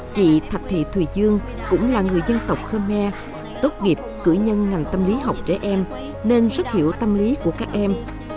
chị thạch thị thùy dương cũng là người dân tộc khmer tốt nghiệp cử nhân ngành tâm lý học trẻ em nên rất hiểu tâm lý của các em